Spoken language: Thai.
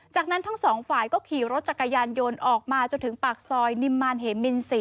จากนั้นทั้งสองฝ่ายก็ขี่รถจักรยานยนต์ออกมาจนถึงปากซอยนิมมารเหมิน๔